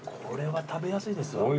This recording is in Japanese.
これは食べやすいですよ。